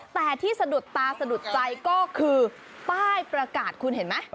แต่ที่สะดุดตาสะดุดใจก็คือป้ายประกาศคุณเห็นไหม